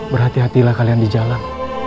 berhati hatilah kalian di jalan